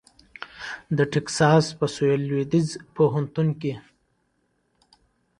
د ټیکساس په سوېل لوېدیځ پوهنتون کې